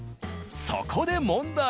そこで問題。